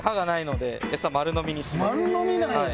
丸飲みなんや！